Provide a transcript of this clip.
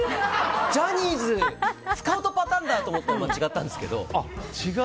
ジャニーズスカウトパターンだ！って思ったら違ったんですけど。